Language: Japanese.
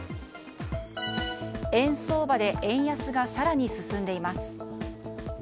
円相場で円安が更に進んでいます。